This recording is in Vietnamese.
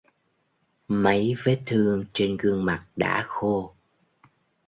Mấy vết thương trên gương mặt đã khô